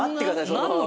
その。